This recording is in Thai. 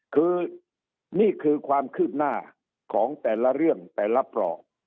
คือนี่คือความคืบหน้าของแต่ละเรื่องแต่ละปลอก